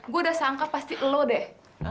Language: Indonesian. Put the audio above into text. gue udah sangka pasti lo deh